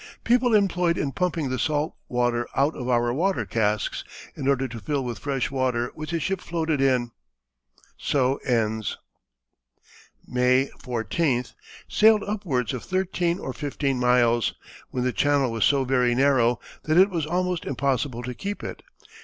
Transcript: People employed in pumping the salt water out of our water casks in order to fill with fresh water which the ship floated in. So ends. "(May) 14. Sailed upwards of 13 or 15 miles, when the channel was so very narrow that it was almost impossible to keep it....